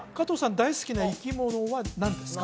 大好きな生き物は何ですか？